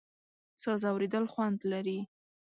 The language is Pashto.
ساز اورېدل خوند لري.